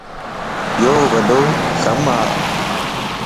يو وڏو ڪم ا